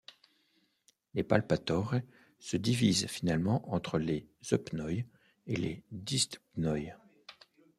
Les Palpatores se divisent finalement entre les Eupnoi et les Dyspnoi.